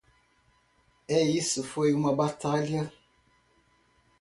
E isso foi uma batalha.